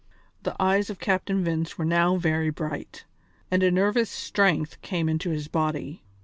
The eyes of Captain Vince were now very bright, and a nervous strength came into his body.